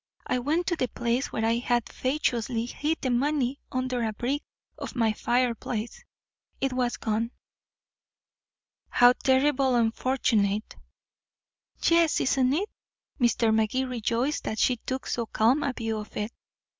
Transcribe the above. I went to the place where I had fatuously hid the money under a brick of my fireplace. It was gone." "How terribly unfortunate." "Yes, isn't it?" Mr. Magee rejoiced that she took so calm a view of it.